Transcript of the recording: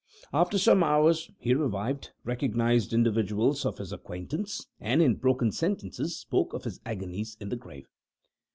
After some hours he revived, recognized individuals of his acquaintance, and, in broken sentences spoke of his agonies in the grave.